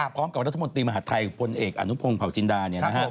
พร้อมกับรัฐมนตรีมหาธัยผลเอกอภจินดา